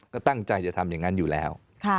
ก็ตั้งใจจะทำอย่างนั้นอยู่แล้ว